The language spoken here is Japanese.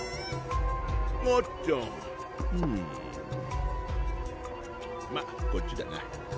おっとうんまっこっちだな・・